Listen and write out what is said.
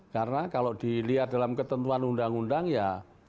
karena kalau dilihat dalam ketentuan undang undang ya